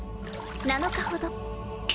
７日ほど。